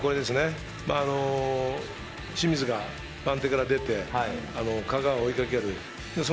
清水が番手から出て、香川を追いかける。